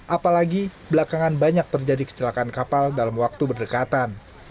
apalagi belakangan banyak terjadi kecelakaan kapal dalam waktu berdekatan